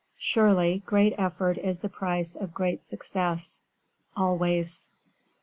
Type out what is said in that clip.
Surely, great effort is the price of great success, ALWAYS. JAMES C.